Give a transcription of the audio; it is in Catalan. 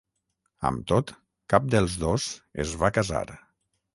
Amb tot, cap dels dos es va casar.